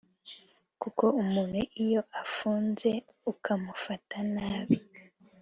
kuko umuntu iyo afunze ukamufata nabi